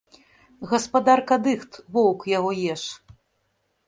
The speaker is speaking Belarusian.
Гаспадарка дыхт, воўк яго еш.